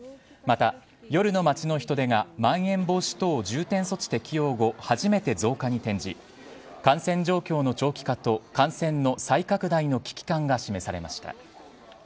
また、夜の街の人出がまん延防止等重点措置適用後初めて増加に転じ感染状況の長期化と感染の再拡大の危機感が示されました。